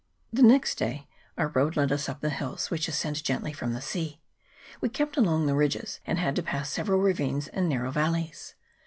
The next day our road led us up the hills, which ascend gently from the sea. We kept along the ridges, and had to pass several ravines and narrow valleys.